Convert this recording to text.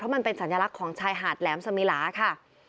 มันเป็นสัญลักษณ์ของชายหาดแหลมสมิลาค่ะ